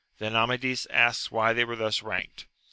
Then Amadis asked why they were thus ranked.